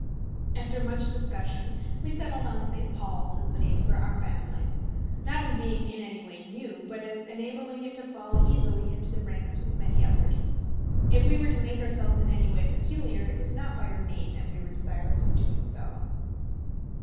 After much discussion, we settled on St. Paul's as the name for our bantling, not as being in any way new, but as enabling it to fall easily into the ranks with many others. If we were to make ourselves in any way peculiar, it was not by our name that we were desirous of doing so.